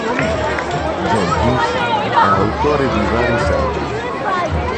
Jenkins è autore di vari saggi.